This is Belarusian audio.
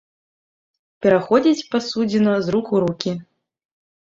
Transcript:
Пераходзіць пасудзіна з рук у рукі.